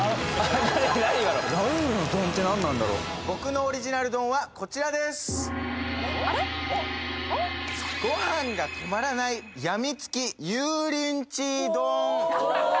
僕のオリジナル丼はこちらですあれ？